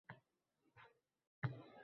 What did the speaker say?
Buloq suvi ko‘rinmas